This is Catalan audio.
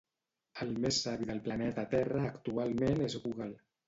El més savi del planeta Terra actualment és google